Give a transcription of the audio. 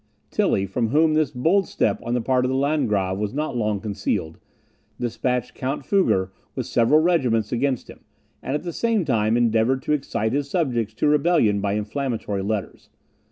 Tilly, from whom this bold step on the part of the Landgrave was not long concealed, despatched Count Fugger with several regiments against him; and at the same time endeavoured to excite his subjects to rebellion by inflammatory letters.